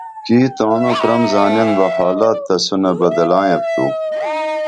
کی تانوں کرم زانین بہ حالات تسونہ بدالائیں یپ تو